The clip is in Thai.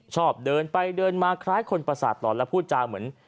ชอบเดินไปเดินมาคล้ายคนประสาทหลอนและพูดจาเหมือน